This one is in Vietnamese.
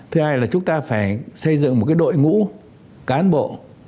thứ hai là chúng ta phải xây dựng một đội ngũ cán bộ